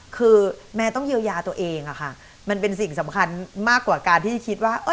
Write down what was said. คือแม่ต้องเยียวยาตัวเองอะค่ะมันเป็นสิ่งสำคัญมากกว่าการที่คิดว่า